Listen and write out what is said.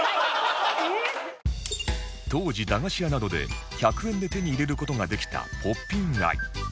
当時駄菓子屋などで１００円で手に入れる事ができたポッピンアイ